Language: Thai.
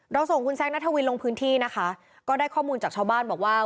ส่งคุณแซคนัทวินลงพื้นที่นะคะก็ได้ข้อมูลจากชาวบ้านบอกว่า